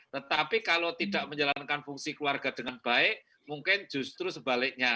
tetapi kalau tidak menjalankan fungsi keluarga dengan baik mungkin justru sebaliknya